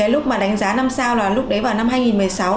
lúc mà đánh giá năm sao là lúc đấy vào năm hai nghìn một mươi sáu